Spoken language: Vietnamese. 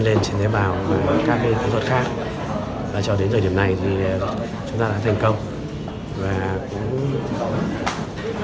viên tổng bào về các kế hoạch khác và cho đến thời điểm này thì chúng ta đã thành công và cũng